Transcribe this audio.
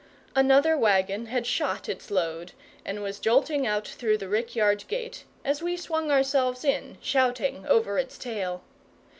Another waggon had shot its load, and was jolting out through the rickyard gate, as we swung ourselves in, shouting, over its tail.